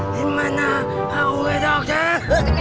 dimana aku ke dokter